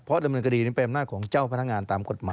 ดำเนินคดีนี้เป็นอำนาจของเจ้าพนักงานตามกฎหมาย